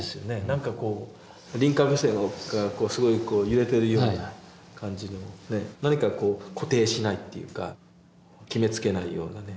なんかこう輪郭線がすごい揺れてるような感じの何かこう固定しないっていうか決めつけないようなね。